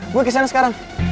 gue kesana sekarang